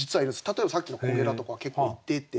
例えばさっきのコゲラとかは結構いてて。